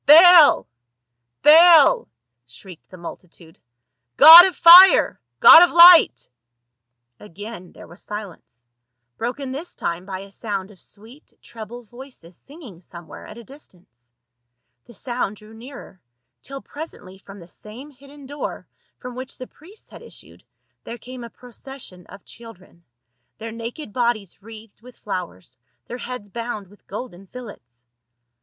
" Baal ! Baal !" shrieked the multitude, " god of fire ! god of light !" Again there was silence, broken this time by a sound of sweet treble voices singing somewhere at a distance ; the sound drew nearer, till presently from the same hidden door from which the priests had issued there came a procession of children, their naked bodies wreathed with flowers, their heads bound with golden fillets.